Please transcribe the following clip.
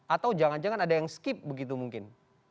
atau jangan jangan ada yang skip begitu mungkin